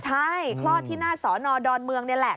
ใช่คลอดที่หน้าสอนอดอนเมืองนี่แหละ